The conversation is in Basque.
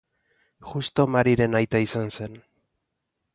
Justo Mariren aita izan zen.